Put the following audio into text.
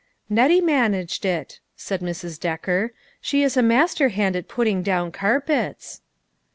" Nettie managed it," said Mrs. Decker, "she is a master hand at putting down carpets."